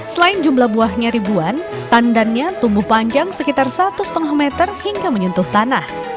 selain jumlah buahnya ribuan tandannya tumbuh panjang sekitar satu lima meter hingga menyentuh tanah